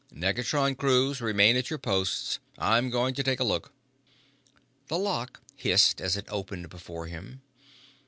"Negatron crews remain at your posts. I'm going to take a look." The lock hissed as it opened before him.